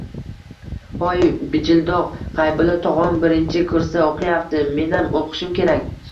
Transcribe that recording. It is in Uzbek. — Hoy bijildoq,G‘aybulla tog‘ong birinchi kursda o‘qiyapti. Menam o‘qishim kerak.